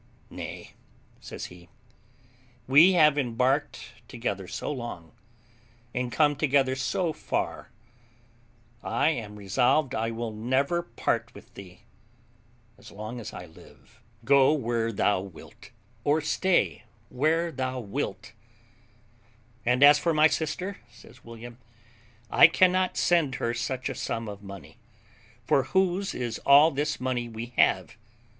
"Nay," says he, "we have embarked together so long, and come together so far, I am resolved I will never part with thee as long as I live, go where thou wilt, or stay where thou wilt; and as for my sister," said William, "I cannot send her such a sum of money, for whose is all this money we have?